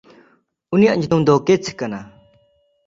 ᱩᱱᱤᱭᱟᱜ ᱧᱩᱛᱩᱢ ᱫᱚ ᱠᱮᱪᱷ ᱠᱟᱱᱟ᱾